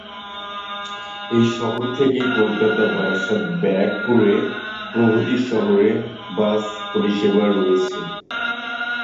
এই শহর থেকে কলকাতা বারাসাত, ব্যারাকপুর প্রভৃতি শহরে বাস পরিসেবা রয়েছে।